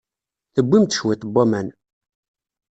Tewwim-d cwiṭ n waman.